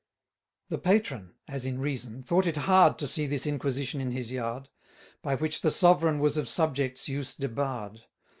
The patron (as in reason) thought it hard To see this inquisition in his yard, By which the Sovereign was of subjects' use debarr'd.